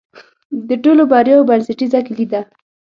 د ټولو بریاوو بنسټیزه کلي ده.